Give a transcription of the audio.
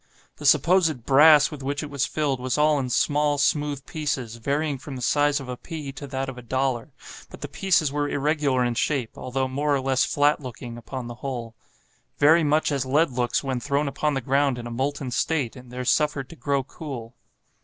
The supposed brass with which it was filled was all in small, smooth pieces, varying from the size of a pea to that of a dollar; but the pieces were irregular in shape, although more or less flat looking, upon the whole, "very much as lead looks when thrown upon the ground in a molten state, and there suffered to grow cool."